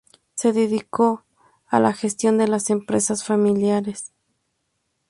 Se dedicó a la gestión de las empresas familiares.